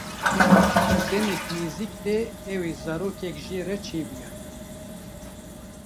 Di demeke nêzik de ew ê zarokek jê re çêbûya.